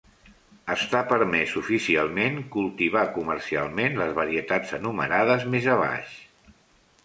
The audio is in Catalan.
Està permès oficialment cultivar comercialment les varietats enumerades més abaix.